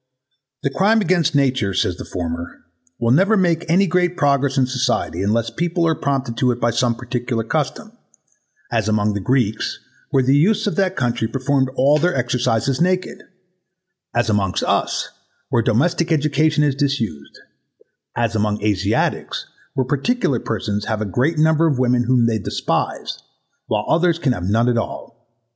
''The crime against nature,'' says the former, ''will never make any great progress in society unless people are prompted to it by some particular custom, as among the Greeks, where the youths of that country performed all their exercises naked; as amongst us, where domestic education is disused; as amongst the Asiatics, where particular persons have a great number of women whom they despise, while others can have none at all."